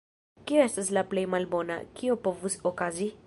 Kio estas la plej malbona, kio povus okazi?